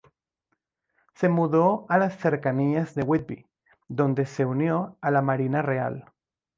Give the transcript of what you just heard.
Se mudó a las cercanías de Whitby, donde se unió a la Marina Real.